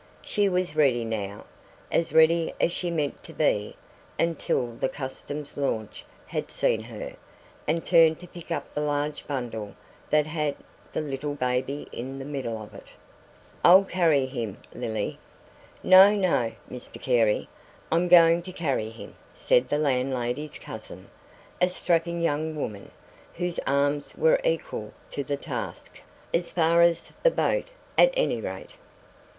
She was ready now as ready as she meant to be until the Customs launch had seen her and turned to pick up the large bundle that had the little baby in the middle of it. "I'll carry him, Lily." "No, no, Mr Carey, I'm going to carry him," said the landlady's cousin, a strapping young woman, whose arms were equal to the task "as far as the boat, at any rate."